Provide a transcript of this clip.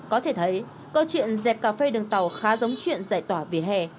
có thể thấy câu chuyện dẹp cà phê đường tàu khá giống chuyện dạy tỏa về hè